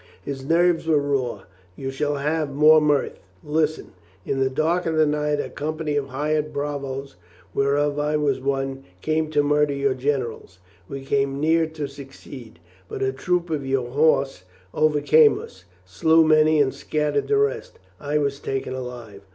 His nerves were raw. "You shall have more mirth. Listen ! In the dark of the night a company of hired bravos, whereof I was one, came to murder your generals. We came near to succeed. But a troop of your horse overcame us, slew many and scattered the rest. I was taken alive."